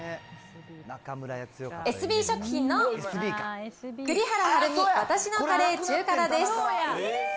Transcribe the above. エスビー食品の栗原はるみわたしのカレー中辛です。